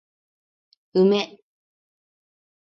梅